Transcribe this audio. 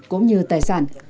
cũng như tài sản